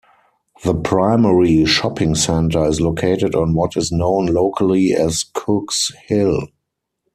The primary shopping centre is located on what is known locally as Cooks Hill.